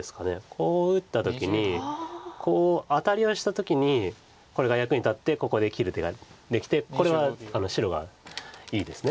こう打った時にこうアタリをした時にこれが役に立ってここで切る手ができてこれは白がいいです。